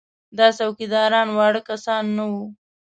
دا څوکیداران واړه کسان نه وو.